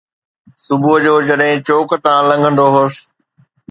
صبح جو جڏهن چوڪ تان لنگهندو هوس